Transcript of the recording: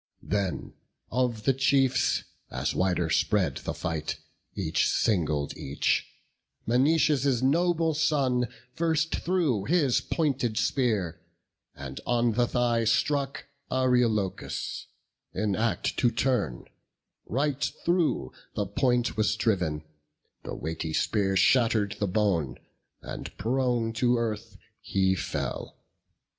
Then of the chiefs, as wider spread the fight, Each singled each; Menoetius' noble son First threw his pointed spear, and on the thigh Struck Areilochus, in act to turn; Right through the point was driv'n; the weighty spear Shatter'd the bone, and prone to earth he fell.